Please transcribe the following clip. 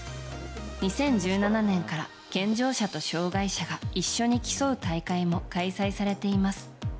２０１７年から健常者と障害者が一緒に競う大会も開催されています。